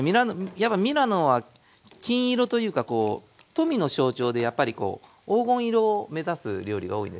やっぱミラノは金色というかこう富の象徴でやっぱりこう黄金色を目指す料理が多いんですよ。